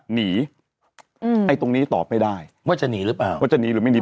หนีอืมไอ้ตรงนี้ตอบไม่ได้ว่าจะหนีหรือเปล่าว่าจะหนีหรือไม่หนี